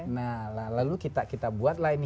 nah lalu kita buat lah ini